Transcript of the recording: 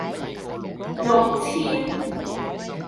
六千